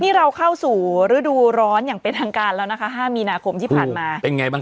เพียงเราเข้าสู่ฤดูร้อนอย่างเป็นอังการแล้วนะคะ